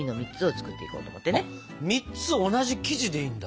３つ同じ生地でいいんだ。